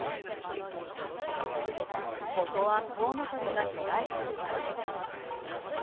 ここはコウノトリが飛来する場所。